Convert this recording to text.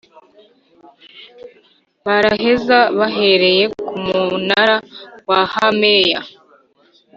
baraheza bahereye ku munara wa Hameya